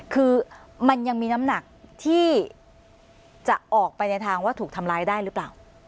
คือมันยังมีน้ำหนักที่จะออกไปในทางว่าถูกทำร้ายได้หรือเปล่า